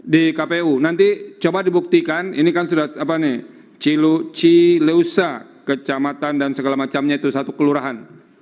di kpu nanti coba dibuktikan ini kan sudah apa nih cileusa kecamatan dan segala macamnya itu satu kelurahan